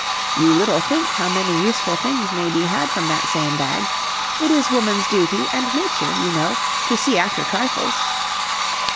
You little think how many useful things may be had from that same bag; it is woman's duty and nature, you know, to see after trifles."